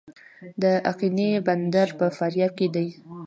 د اقینې بندر په فاریاب کې دی